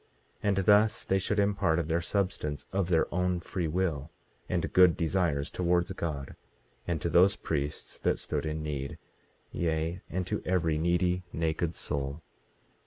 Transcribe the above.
18:28 And thus they should impart of their substance of their own free will and good desires towards God, and to those priests that stood in need, yea, and to every needy, naked soul.